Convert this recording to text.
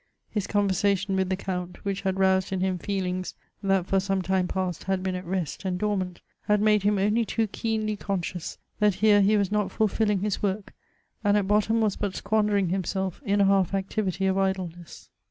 His conversation with the Count, which had roused in him feelings that for some time past had been at rest and dormant, had made him only too keenly conscious that here he was not fulfilling his work, and at bottom was but squandering himself in a half activity of idleness.